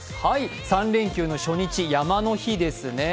３連休の初日、山の日ですね